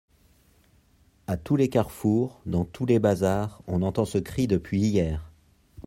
À tous les carrefours, dans tous les bazars, on entend ce cri depuis hier.